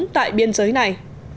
tại biên giới này